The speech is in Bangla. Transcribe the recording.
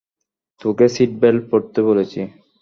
তোকে সিট বেল্ট পড়তে বলেছি!